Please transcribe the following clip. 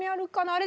あれ？